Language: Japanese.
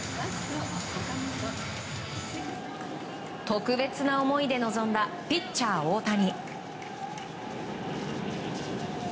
特別な思いで臨んだピッチャー、大谷。